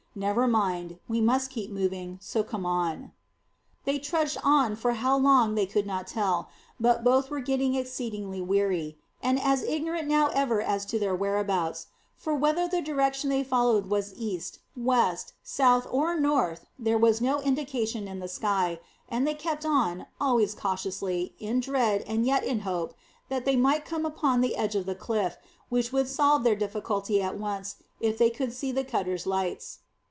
Never mind; we must keep moving, so come on." They trudged on for how long they could not tell, but both were getting exceedingly weary, and as ignorant now ever as to their whereabouts; for, whether the direction they followed was east, west, south, or north, there was no indication in the sky; and they kept on, always cautiously, in dread and yet in hope that they might come upon the edge of the cliff, which would solve their difficulty at once, if they could see the cutter's lights.